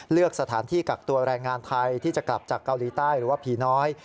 เลือกสถานที่กักตัวแรงงานไทยที่จะกลับจากเกาหลีใต้หรือว่าผีน้อย